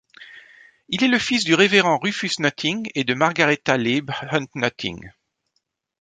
Il est le fils du révérend Rufus Nutting et de Margaretta Leib Hunt Nutting.